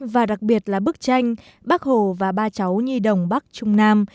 và đặc biệt là bức tranh bác hồ và ba cháu nhi đồng bắc trung nam